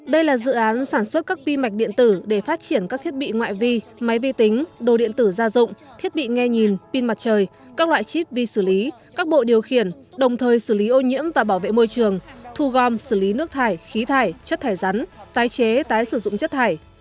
đây là dự án sản xuất các pin mạch điện tử để phát triển các thiết bị ngoại vi máy vi tính đồ điện tử gia dụng thiết bị nghe nhìn pin mặt trời các loại chip vi xử lý các bộ điều khiển đồng thời xử lý ô nhiễm và bảo vệ môi trường thu gom xử lý nước thải khí thải chất thải rắn tái chế tái sử dụng chất thải